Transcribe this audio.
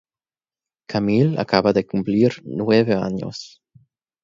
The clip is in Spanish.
Camille acaba de cumplir nueve años.